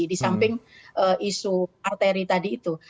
di samping isu arteri tadi itu